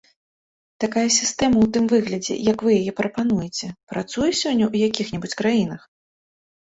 Такая сістэма ў тым выглядзе, як вы яе прапануеце, працуе сёння ў якіх-небудзь краінах?